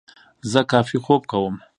زه کافي خوب کوم.